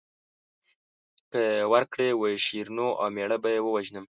که یې ورکړې وه شیرینو او مېړه به یې ووژنم.